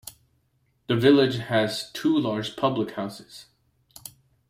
The village has two large public houses.